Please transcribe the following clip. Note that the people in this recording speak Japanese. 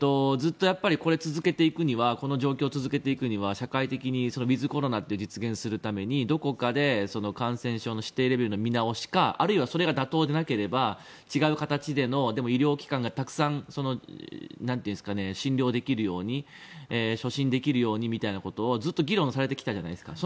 この状況を続けていくには社会的にウィズコロナって実現するためにどこかで感染症の指定レベルの見直しかあるいはそれが妥当でなければ違う形でのでも医療機関がたくさん診療できるように初診できるようにみたいなことをずっと議論されてきたじゃないですか。